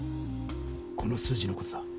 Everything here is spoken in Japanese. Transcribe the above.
この数字の事だ。